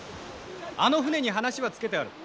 あの船に話はつけてある。